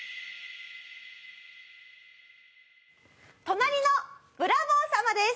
『隣のブラボー様』です！